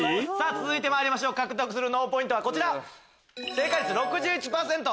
続いてまいりましょう獲得する脳ポイントはこちら。